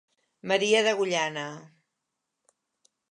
Maria d'Agullana.